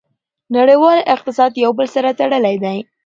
نړیوال اقتصاد یو بل سره تړلی دی.